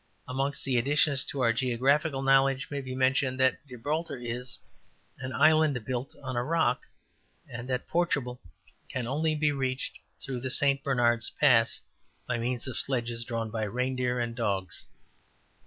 '' Amongst the additions to our geographical knowledge may be mentioned that Gibraltar is ``an island built on a rock,'' and that Portugal can only be reached through the St. Bernard's Pass ``by means of sledges drawn by reindeer and dogs.''